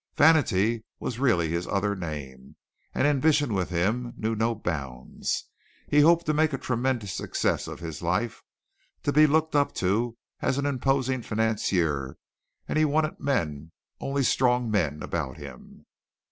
Vanity was really his other name, and ambition with him knew no bounds. He hoped to make a tremendous success of his life, to be looked up to as an imposing financier, and he wanted men only strong men about him.